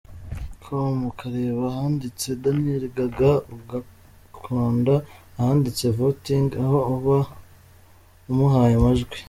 com ukareba ahanditse Daniel Gaga ugakanda ahanditse Voting aho uba umuhaye amajwi.